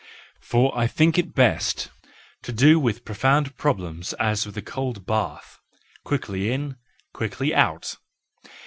For I think it is best to do with profound problems as with a cold bath—quickly in, quickly out.